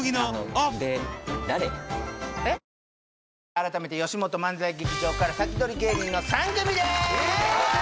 改めてよしもと漫才劇場からサキドリ芸人の３組ですイエーイ！